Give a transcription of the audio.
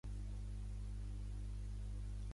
Teresa Mas de Xaxars és una remera nascuda a Barcelona.